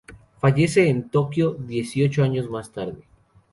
Falleció en Tokio dieciocho años más tarde.